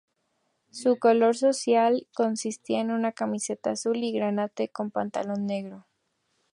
Su color social consistía en una camiseta azul y granate con pantalón negro.